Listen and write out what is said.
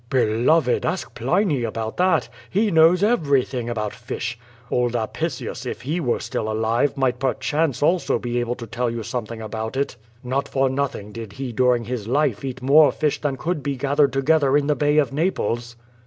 "Beloved! Ask Pliny about that. He knows everything about fish. Old Apicius, if he were still alive^ might per chance also be able to tell you something about it. Not for nothing did he during his life eat more fish than could be gather^ together in the Bay of Naples."